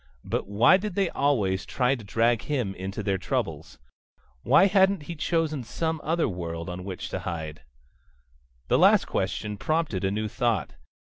But why did they always try to drag him into their troubles? Why hadn't he chosen some other world on which to hide? The last question prompted a new thought.